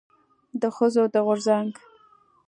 د ښځو د غورځنګ